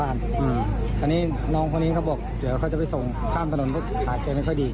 อันนี้น้องคนนี้เขาบอกเดี๋ยวเขาจะไปส่งข้ามถนนเพราะขาใจไม่ค่อยดี